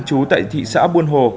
chú tại thị xã buôn hồ